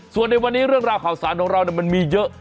ส่วนในวันนี้เรื่องราวข่าวสารของเรามันมีเยอะ